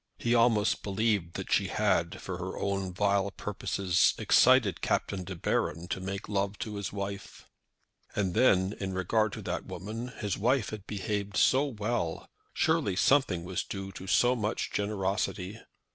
He almost believed that she had for her own vile purposes excited Captain De Baron to make love to his wife. And then, in regard to that woman, his wife had behaved so well! Surely something was due to so much generosity.